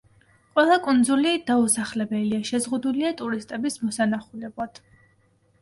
ყველა კუნძული დაუსახლებელია, შეზღუდულია ტურისტების მოსანახულებლად.